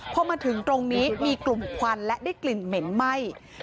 พอมาถึงตรงนี้มีกลุ่มควันและได้กลิ่นเหม็นไหม้